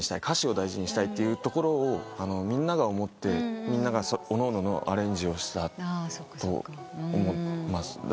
歌詞を大事にしたいっていうところをみんなが思ってみんながおのおののアレンジをしたと思います。